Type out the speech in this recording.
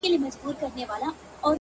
په عشق کي دومره رسميت هيڅ باخبر نه کوي!!